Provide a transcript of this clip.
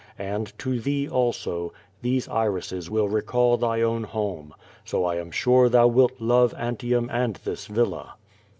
And, to th»*o also, these iri.<es will recall thy own home. So I am sure thou wilt love Antium and this villa.